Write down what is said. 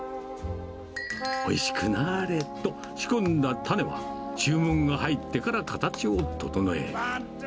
おいしくなぁれと仕込んだタネは、注文が入ってから形を整える。